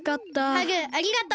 ハグありがとう。